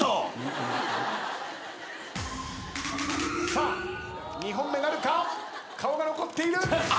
さあ２本目なるか⁉顔が残っている！